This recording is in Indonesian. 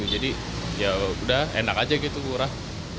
jadi yaudah enak aja gitu kurang